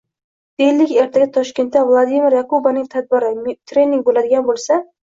Deylik, ertaga Toshkentda Vladimir Yakubaning tadbiri, trening boʻladigan boʻlsa